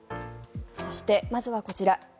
そして、まずはこちら。